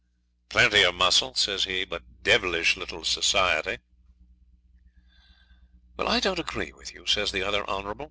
'Plenty of muscle,' says he, 'but devilish little society.' 'I don't agree with you,' says the other Honourable.